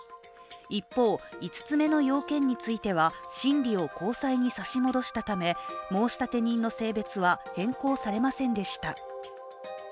一方、５つ目の要件については審理を高裁に差し戻したため申立人の性別は変更されませんでした。